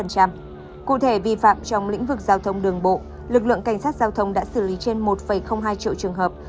cụ thể vi phạm trong lĩnh vực giao thông đường bộ lực lượng cảnh sát giao thông đã xử lý trên một hai triệu trường hợp